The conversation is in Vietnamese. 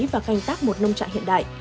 và canh tắc một nông trạng hiện đại